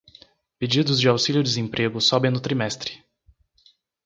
Pedidos de auxílio-desemprego sobem no trimestre